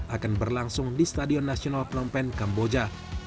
akan berlangsung di stadion nasional phnom penh kamboja